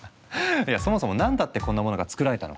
いやそもそも何だってこんなものが作られたのか？